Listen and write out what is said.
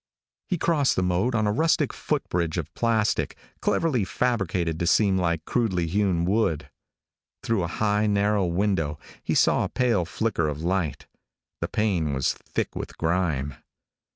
He crossed the moat on a rustic footbridge of plastic cleverly fabricated to seem like crudely hewn wood. Through a high, narrow window he saw a pale flicker of light. The pane was thick with grime.